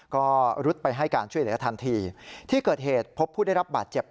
ก็รุดไปให้การช่วยเหลือทันทีที่เกิดเหตุพบผู้ได้รับบาดเจ็บ